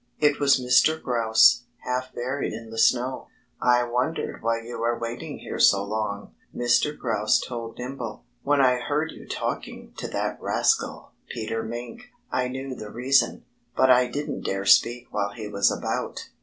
It was Mr. Grouse, half buried in the snow. "I wondered why you were waiting here so long," Mr. Grouse told Nimble. "When I heard you talking to that rascal, Peter Mink, I knew the reason. But I didn't dare speak while he was about."